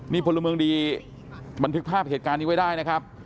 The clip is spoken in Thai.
มีพลเมืองดีบันทึกภาพเหตุการณ์นี้ไว้ได้นะครับ